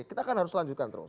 kita kan harus lanjutkan terus